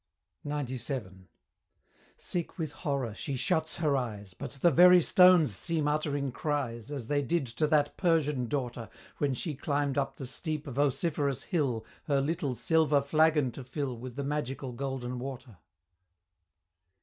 XCVII. Sick with horror she shuts her eyes, But the very stones seem uttering cries, As they did to that Persian daughter, When she climb'd up the steep vociferous hill, Her little silver flagon to fill With the magical Golden Water!